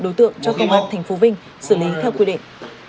đối tượng cho công an tp vinh xử lý theo quy định